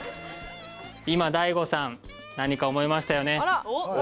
今大悟さん何か思いましたよね